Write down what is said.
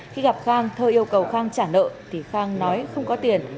khi gặp khang thơ yêu cầu khang trả nợ thì khang nói không có tiền